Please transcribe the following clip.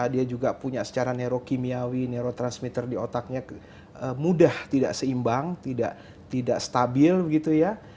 dia juga punya secara neurokimiawi neurotransmitter di otaknya mudah tidak seimbang tidak stabil begitu ya